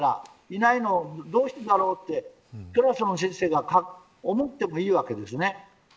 いないのをどうしてだろうとクラスの先生が思ってもいいわけですね。